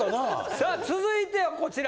さあ続いてはこちら。